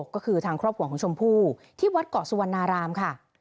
ก็คือทางครอบครัวของชมพู่ที่วัดเกาะสุวรรณารามค่ะ